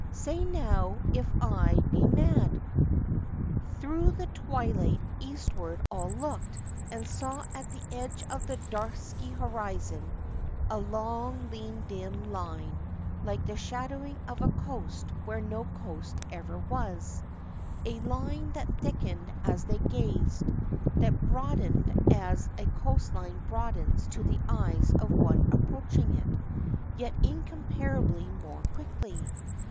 "Say now if I be mad!" Through the twilight eastward all looked, and saw at the edge of the dusky horizon a long, lean, dim line like the shadowing of a coast where no coast ever was, — a line that thickened as they gazed, that broadened as a coast line broadens to the eyes of one approaching it, yet incomparably more quickly.